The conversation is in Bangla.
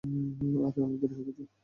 আরে অনেক দেরি হয়ে গেছে।